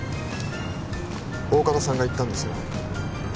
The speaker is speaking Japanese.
大加戸さんが言ったんですよ